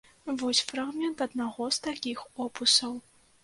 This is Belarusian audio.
Вось фрагмент аднаго з такіх опусаў.